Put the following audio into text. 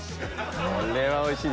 これはおいしいですよ！